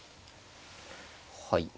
はい。